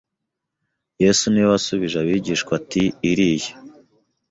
Yesu ni we wasubije abigishwa ati iriya